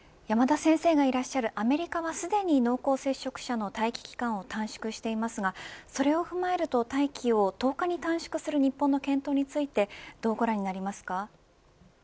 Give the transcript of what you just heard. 山田先生がいらっしゃるアメリカはすでに濃厚接触者の待機期間を短縮していますがそれを踏まえると待機を１０日に短縮する日本の検討についてどうご覧になりますか。